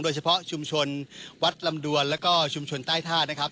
โดยเฉพาะชุมชนวัดลำดวนแล้วก็ชุมชนใต้ท่านะครับ